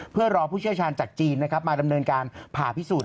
เพื่อรอผู้เชี่ยวชาญจากจีนมาดำเนินการผ่าพิสูจน